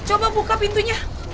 coba buka pintunya